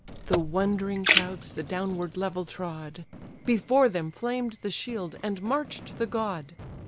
The wondering crowds the downward level trod; Before them flamed the shield, and march'd the god.